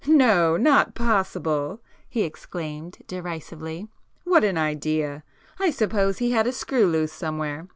"No! Not possible!" he exclaimed derisively—"What an idea! I suppose he had a screw loose somewhere!